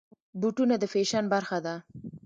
بوټونه د فیشن برخه ده.